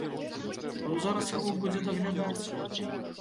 Хто зараз яго будзе даглядаць?